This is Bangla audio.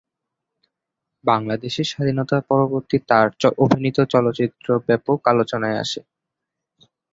বাংলাদেশের স্বাধীনতা-পরবর্তী তার অভিনীত চলচ্চিত্রটি ব্যাপক আলোচনায় আসে।